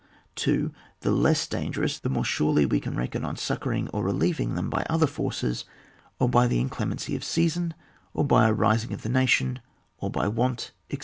2. The less dangerous the more surely we can reckon on succouring or relieving them by other forces, or by the inclem ency of season, or by a rising of the nation, or by want, &c.